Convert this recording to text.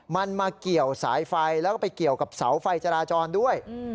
มันมาเกี่ยวสายไฟแล้วก็ไปเกี่ยวกับเสาไฟจราจรด้วย